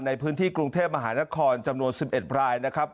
ในพื้นที่กรุงเทพมหานครจำนวน๑๑รายนะครับ